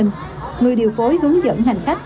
người điều phối hướng dẫn hành khách